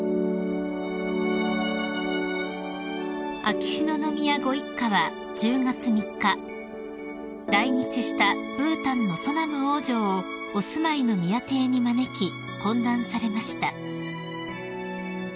［秋篠宮ご一家は１０月３日来日したブータンのソナム王女をお住まいの宮邸に招き懇談されました］